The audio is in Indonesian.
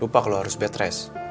lupa kalau harus bed rest